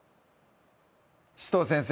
紫藤先生